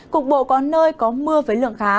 cục bộ có nơi có mưa với lượng khá